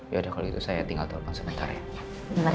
yaudah kalau gitu saya tinggal telepon sebentar ya